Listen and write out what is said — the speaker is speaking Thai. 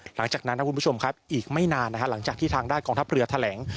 หลังจากนั้นนะคุณผู้ชมครับอีกไม่นานนะฮะหลังจากที่ทางด้านกองทัพเรือแถลง